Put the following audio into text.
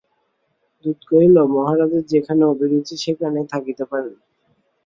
দূত কহিল, মহারাজের যেখানে অভিরুচি সেইখানেই থাকিতে পারেন।